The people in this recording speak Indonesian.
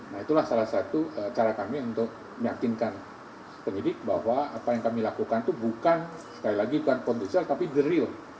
nah itulah salah satu cara kami untuk meyakinkan penyidik bahwa apa yang kami lakukan itu bukan sekali lagi bukan konstitusional tapi the real